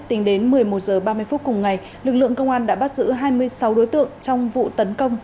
tính đến một mươi một h ba mươi phút cùng ngày lực lượng công an đã bắt giữ hai mươi sáu đối tượng trong vụ tấn công